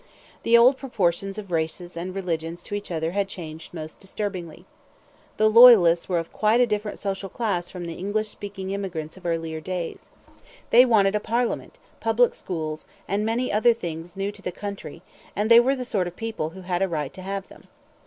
The old proportions of races and religions to each other had changed most disturbingly. The Loyalists were of quite a different social class from the English speaking immigrants of earlier days. They wanted a parliament, public schools, and many other things new to the country; and they were the sort of people who had a right to have them.